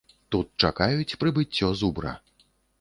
Тут чакаюць прыбыццё зубра.